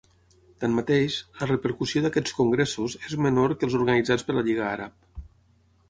Tanmateix, la repercussió d'aquests congressos és menor que els organitzats per la Lliga Àrab.